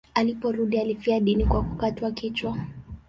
Aliporudi alifia dini kwa kukatwa kichwa.